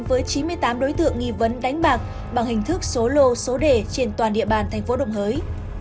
với chín mươi tám đối tượng nghi vấn đánh bạc bằng hình thức số lô số đề trên toàn địa bàn thành phố đồng hới